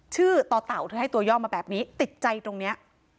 ต่อเต่าเธอให้ตัวย่อมาแบบนี้ติดใจตรงนี้